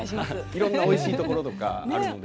いろんなおいしいところとかあるので。